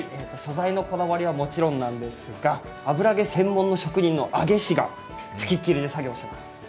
素材のこだわりはもちろんなんですが油揚げ専門の職人の揚げ師がつきっきりで作業しています。